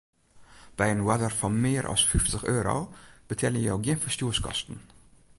By in oarder fan mear as fyftich euro betelje jo gjin ferstjoerskosten.